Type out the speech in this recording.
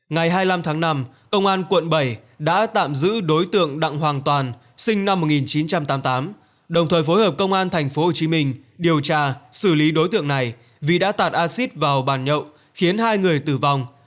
ngày hai mươi năm tháng năm công an quận bảy đã tạm giữ đối tượng đặng hoàng toàn sinh năm một nghìn chín trăm tám mươi tám đồng thời phối hợp công an tp hcm điều tra xử lý đối tượng này vì đã tạt acid vào bàn nhậu khiến hai người tử vong